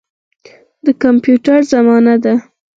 د کمپیوټر زمانه ده.